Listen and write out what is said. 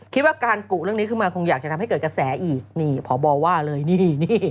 คิดว่าการกุลขึ้นมาคงอยากจะทำให้เกิดกระแสอีกนี่ผ่อบอลว่าเลยนี่นี่